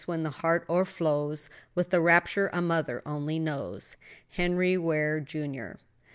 when the heart o'erflows With the rapture a mother only knows!" HENRY WARE, JR.